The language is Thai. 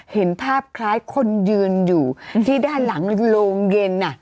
เห็นภาพคล้ายคนยืนอยู่ที่ด้านหลังโรงเย็น